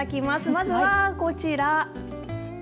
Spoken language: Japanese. まずはこちら。